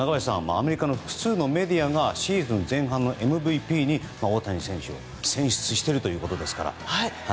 アメリカの複数のメディアがシーズンのＭＶＰに大谷選手を選出しているということですから。